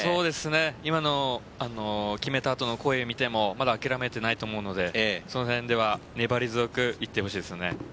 今の決めた後の声を見てもまだ諦めていないと思うのでその辺では粘り強くいってほしいですよね。